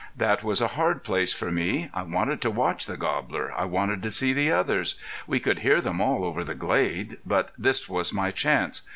That was a hard place for me. I wanted to watch the gobbler. I wanted to see the others. We could hear them all over the glade. But this was my chance.